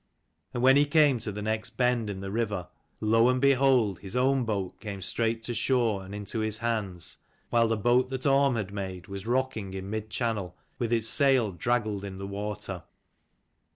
And when he came to the next bend in the river, lo and behold his own boat came straight to shore and into his hands, while the boat that Orm had made was rocking in mid channel with its sail draggled in the water.